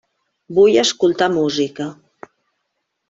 Vull escoltar música.